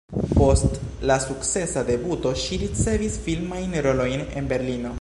Post la sukcesa debuto ŝi ricevis filmajn rolojn en Berlino.